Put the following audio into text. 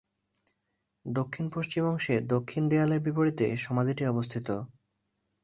দক্ষিণ-পশ্চিম অংশে দক্ষিণ দেয়ালের বিপরীতে সমাধিটি অবস্থিত।